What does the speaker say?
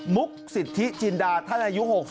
มุกสิทธิจินดาท่านอายุ๖๒